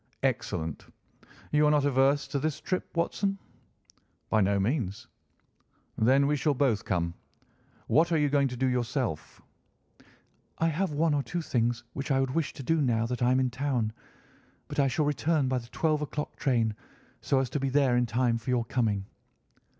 "Excellent. You are not averse to this trip, Watson?" "By no means." "Then we shall both come. What are you going to do yourself?" "I have one or two things which I would wish to do now that I am in town. But I shall return by the twelve o'clock train, so as to be there in time for your coming."